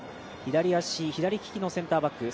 左利きのセンターバック。